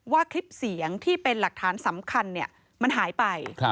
คลิปเสียงที่เป็นหลักฐานสำคัญมันหายไป